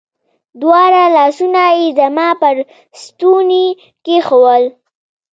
دواړه لاسونه يې زما پر ستوني کښېښوول.